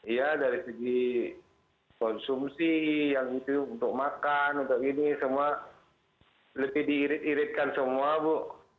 ya dari segi konsumsi yang itu untuk makan untuk ini semua lebih diirit iritkan semua bu